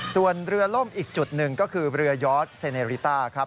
ส่วนเรือล่มอีกจุดหนึ่งก็คือเรือยอดเซเนริต้าครับ